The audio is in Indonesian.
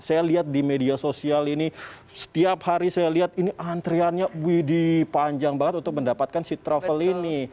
saya lihat di media sosial ini setiap hari saya lihat ini antriannya widi panjang banget untuk mendapatkan si travel ini